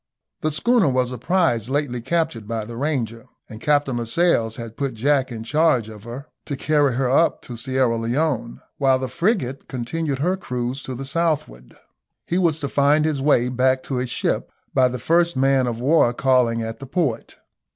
The schooner was a prize lately captured by the Ranger, and Captain Lascelles had put Jack in charge of her to carry her up to Sierra Leone, while the frigate continued her cruise to the southward. He was to find his way back to his ship by the first man of war calling at the port.